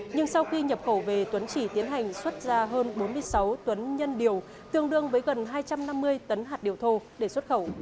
nhưng sau khi nhập khẩu về tuấn chỉ tiến hành xuất ra hơn bốn mươi sáu tấn nhân điều tương đương với gần hai trăm năm mươi tấn hạt điều thô để xuất khẩu